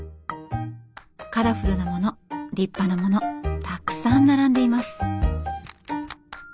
カラフルなもの立派なものたくさん並んでいます。